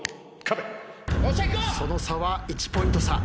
その差は１ポイント差。